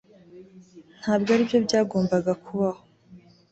Ntabwo aribyo byagombaga kubaho